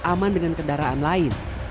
jangan berkendara dengan kendaraan lain